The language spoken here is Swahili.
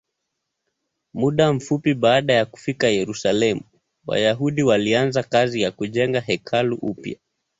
Muda mfupi baada ya kufika Yerusalemu, Wayahudi walianza kazi ya kujenga hekalu upya.